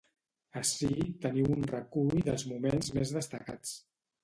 Ací teniu un recull dels moments més destacats.